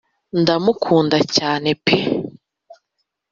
ndamukunda cyane pe